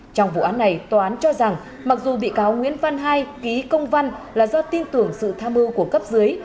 trong vụ án này tòa án cho rằng mặc dù bị cáo nguyễn văn hai ký công văn là do tin tưởng sự tham mưu của cấp dưới